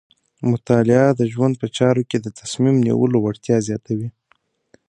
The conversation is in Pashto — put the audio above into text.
مطالعه د ژوند په چارو کې د تصمیم نیولو وړتیا زیاتوي.